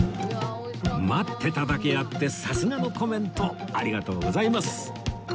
待ってただけあってさすがのコメントありがとうございます